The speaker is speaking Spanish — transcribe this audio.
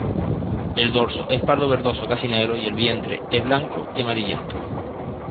El dorso es pardo verdoso casi negro, el vientre es blanco y amarillento.